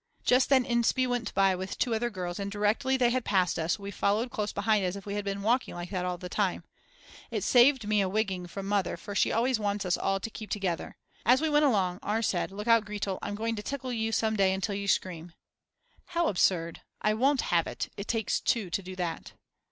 Just then Inspee went by with two other girls and directly they had passed us we followed close behind as if we had been walking like that all the time. It saved me a wigging from Mother, for she always wants us all to keep together. As we went along R. said: Look out, Gretel, I'm going to tickle you some day until you scream. How absurd, I won't have it, it takes two to do that.